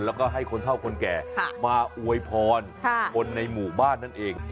แล้วก็ให้คนเท่าคนแก่มาอวยพรคนในหมู่บ้านนั่นเอง